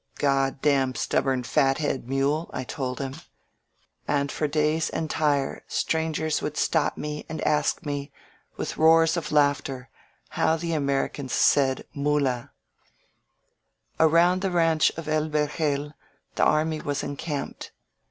"Gr d stubborn fathead mule," I told him. And for days after entire strangers would stop me and ask me, with roars of laughter, how the Americans said ifiuUi, .•• Around the ranch of El Verjel the army was en camped.